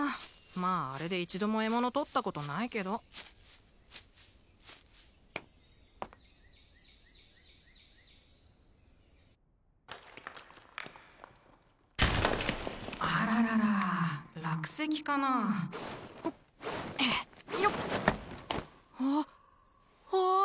まああれで一度も獲物取ったことないけどあららら落石かなほっよっあっうわ！